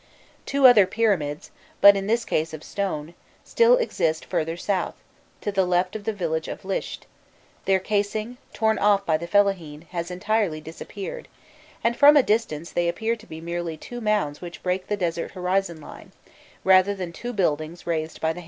Two other pyramids, but in this case of stone, still exist further south, to the left of the village of Lisht: their casing, torn off by the fellahîn, has entirely disappeared, and from a distance they appear to be merely two mounds which break the desert horizon line, rather than two buildings raised by the hand of man.